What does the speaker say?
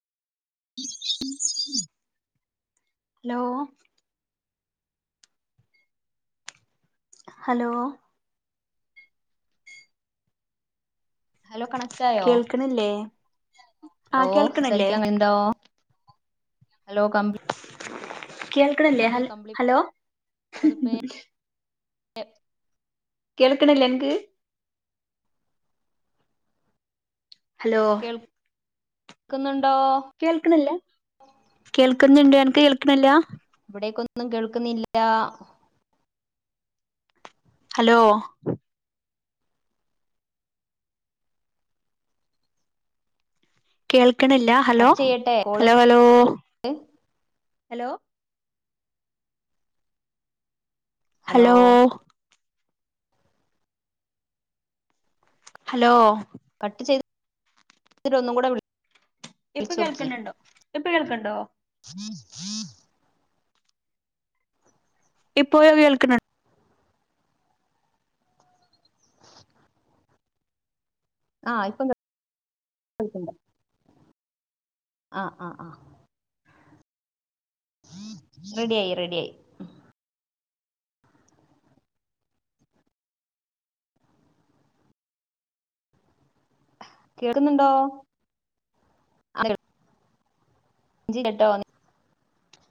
hello hello hello കണക്റ്റായോ കേൾക്കണില്ലേ ആ ഹലോ കേൾക്കണില്ലേ സരിക്ക അങ്ങനെ എന്തോ ഹലോ കമ്പി കേൾക്കടല്ലേ ഹൽ ഹലോ എ കേെൾക്കണില്ല എങ്ക് ഹലോ ക് നൻ കേൾക്കണില്ല കേൾക്കുന്നുണ്ട്നക്ക് കേൾക്കണില്ല ഇവിടേക്കൊന്നും കേൾക്കുന്നില്ല ഹലോ കേൾക്കണില്ല ഹലോ കട്ട് ചെയ്യട്ടെ call hello.. hello.. hello hello hello cut ചെയ്ത് രോന്നും കൂടെ വിളി ഇപ്പൊ കേൾക്കണ്ടണ്ടോ ഇപ്പൊ കേൾക്കണ്ടോ ഹം ഇപ്പോയോ കേൾക്കണ [unintelligible] ആഹ ഇപ്പൊിക്കൾ കണ്ട ആഹ ആഹ ആഹ റെഡായി റെഡായി കേട്ടുന്നുണ്ടോ ആഘേഗിൾ ഇജ്ജ് കേട്ടോന്ന്